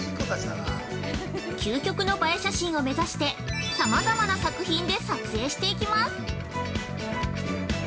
究極の映え写真を目指してさまざまな作品で撮影していきます。